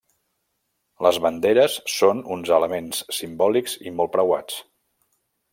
Les banderes són uns elements simbòlics i molt preuats.